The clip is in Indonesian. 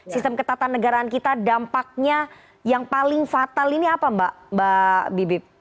sistem ketatanegaraan kita dampaknya yang paling fatal ini apa mbak bibip